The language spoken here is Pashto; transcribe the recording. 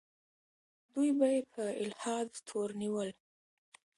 دوی به یې په الحاد تورنول.